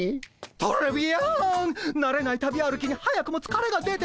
トレビアンなれない旅歩きに早くもつかれが出てしまった。